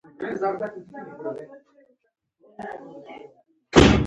هوښیار خلک پلان جوړوي، نه دا چې بېهدفه وي.